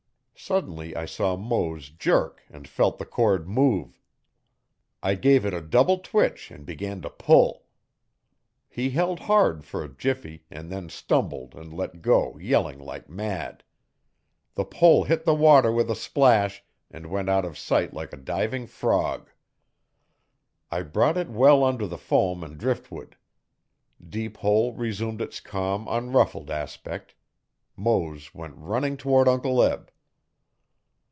Suddenly I saw Mose jerk and felt the cord move. I gave it a double twitch and began to pull. He held hard for a jiffy and then stumbled and let go yelling like mad. The pole hit the water with a splash and went out of sight like a diving frog. I brought it well under the foam and driftwood. Deep Hole resumed its calm, unruffled aspect. Mose went running toward Uncle Eb.